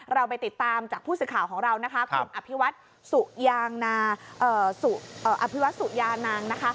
เราไปติดตามจากผู้สื่อข่าวของเรานะครับอภิวัติสุยานาง